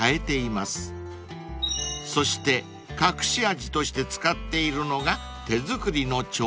［そして隠し味として使っているのが］